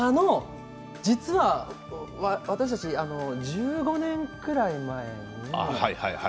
実は私たち１５年くらい前に。